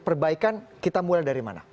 perbaikan kita mulai dari mana